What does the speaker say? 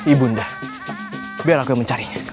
ibu nda biar aku yang mencarinya